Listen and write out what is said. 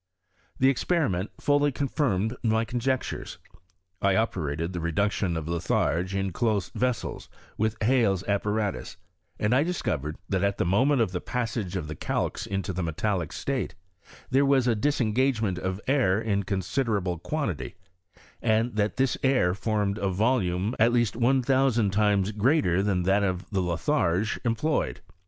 The experiment fully confirmed my conjectures. I operated the reduction of litharge in close vessels with Halcs's apparatus, and I observed, that at the moment of the passage of the calx into the metallic state, there was a disengagement of air in consi derable quantity, and that this air formed a volume at least one thousand times greater than that of the litharge employed.